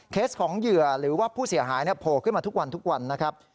ของเหยื่อหรือว่าผู้เสียหายโผล่ขึ้นมาทุกวันทุกวันนะครับ